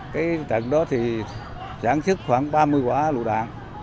cái trận đó thì sản xuất khoảng ba mươi quả lụ đạn